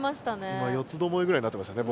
今よつどもえぐらいになってましたね